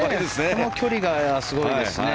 この距離がすごいですね。